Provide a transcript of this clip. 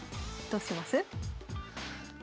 どうします？